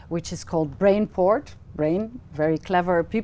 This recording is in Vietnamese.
nhưng trang phóng đại diện